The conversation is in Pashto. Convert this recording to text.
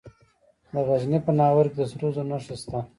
د غزني په ناوور کې د سرو زرو نښې شته.